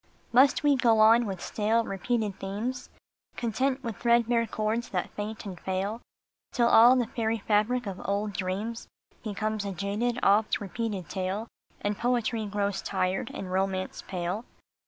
Must we go on with stale, repeated themes, Content with threadbare chords that faint and fail, Till all the fairy fabric of old dreams Becomes a jaded, oft repeated tale, And poetry grows tired, and romance pale